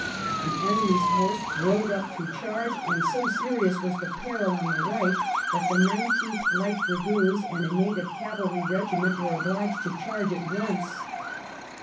The enemy's horse rode up to charge, and so serious was the peril on the right, that the Nine teenth Light Dragoons and a native cavalry regiment were obliged to charge at once.